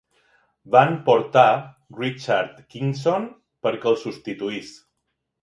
Van portar Richard Kingson perquè el substituís.